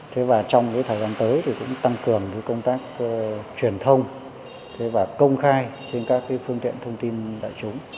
trong thời gian tới tăng cường công tác truyền thông và công khai trên các phương tiện thông tin đại chúng